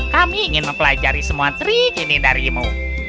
kami ingin mempelajari semua trik ini darimu